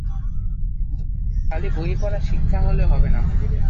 খালি বই-পড়া শিক্ষা হলে হবে না।